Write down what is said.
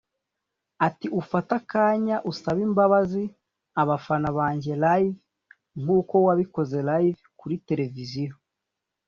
Ati “Ufate akanya usabe imbabazi abafana banjye live nk’uko wabikoze live [kuri Televiziyo]